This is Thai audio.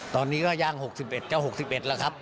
ตอนนี้ก็ย่าง๖๑เจ้า๖๑แล้วครับ